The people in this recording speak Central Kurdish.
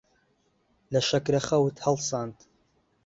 لە شەکرەخەوت هەڵساند.